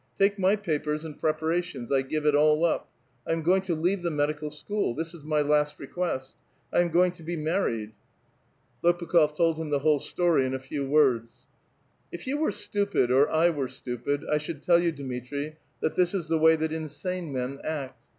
Take my papers and l)reparations ; I give it all up ; I am going to leave the medi cal school ; this is mv last request ! I am going to be mar ried !" Lopukh6f told him the whole story in a few words. ''If you were stupid or I were stupid, I should tell you, Dmitri, that this is the way that insane men act.